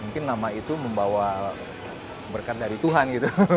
mungkin nama itu membawa berkat dari tuhan gitu